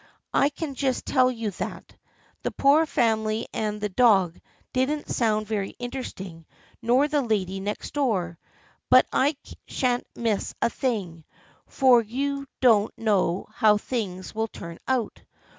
I can just tell you that. The poor family and the dog didn't sound very interesting, nor the lady next door, but I shan't miss a thing, for you don't know how things wilt turn out.